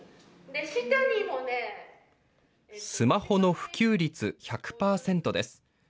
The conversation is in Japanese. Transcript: スマホの普及率１００％です。